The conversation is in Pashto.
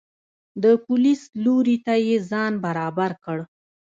د پولیس لوري ته یې ځان برابر کړ.